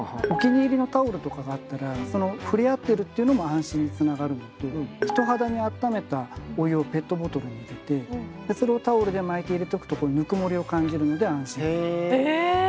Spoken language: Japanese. お気に入りのタオルとかがあったら触れ合ってるっていうのも安心につながるのと人肌にあっためたお湯をペットボトルに入れてそれをタオルで巻いて入れておくとぬくもりを感じるので安心するとか。